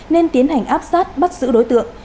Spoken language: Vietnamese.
nên tiến hành áp sát bắt giữ đối tượng